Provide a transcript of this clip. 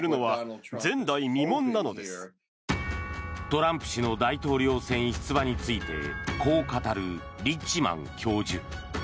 トランプ氏の大統領選出馬についてこう語るリッチマン教授。